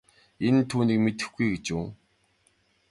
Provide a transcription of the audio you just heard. Энэ түүнийг мэдэхгүй байна гэж үү.